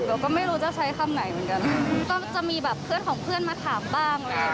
เราก็ไม่รู้จะใช้คำไหนเหมือนกัน